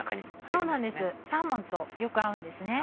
そうなんですサーモンとよく合うんですね。